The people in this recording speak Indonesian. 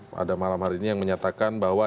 pada malam hari ini yang menyatakan bahwa